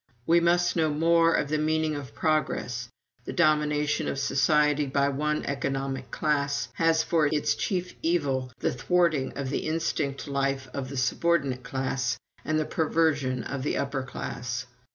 We must know more of the meaning of progress. The domination of society by one economic class has for its chief evil the thwarting of the instinct life of the subordinate class and the perversion of the upper class.